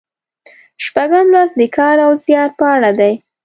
شپږم لوست د کار او زیار په اړه دی.